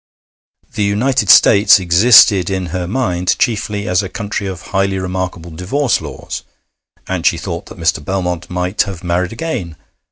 The United States existed in her mind chiefly as a country of highly remarkable divorce laws, and she thought that Mr. Belmont might have married again.